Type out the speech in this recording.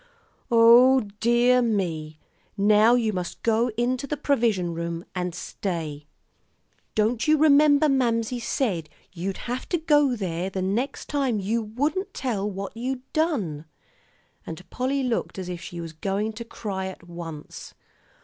"O dear me! Now you must go into the 'provision room' and stay. Don't you remember Mamsie said you'd have to go there the next time you wouldn't tell what you'd done?" And Polly looked as if she were going to cry at once.